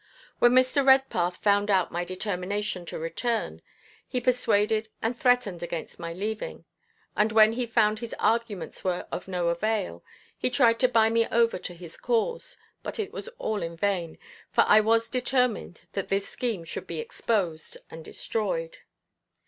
When Mr. Redpath found out my determination to return, he persuaded and threatened against my leaving; and when he found his arguments were of no avail, he tried to buy me over to his cause, but it was all in vain, for I was determined that this scheme should be exposed and destroyed.